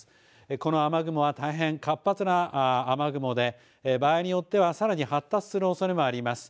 この雨雲は大変活発な雨雲で場合によっては、さらに発達するおそれもあります。